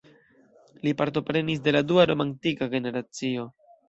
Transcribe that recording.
Li partoprenis de la dua romantika generacio.